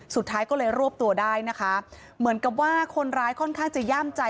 สุดท้ายก็เลยรวบตัวได้นะคะเหมือนกับว่าคนร้ายค่อนข้างจะย่ามใจ